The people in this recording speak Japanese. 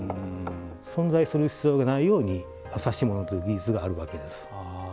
存在する必要がないように指物という技術があるわけです。